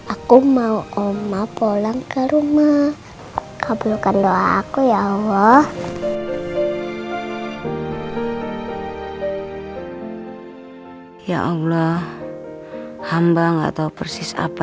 aku mau oma pulang ke rumah kabulkan doa aku ya allah ya allah hamba enggak tahu persis apa